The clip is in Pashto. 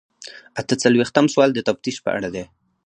اته څلویښتم سوال د تفتیش په اړه دی.